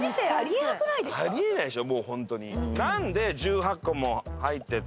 あり得ないでしょ。